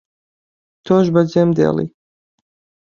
تۆش بەجێم دێڵی